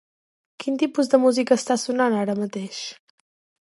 Quin tipus de música està sonant ara mateix?